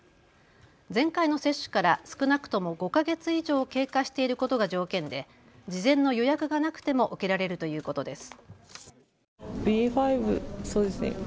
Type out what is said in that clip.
前回の接種から少なくとも５か月以上経過していることが条件で事前の予約がなくても受けられるということです。